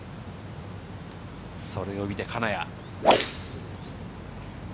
それを見て金谷。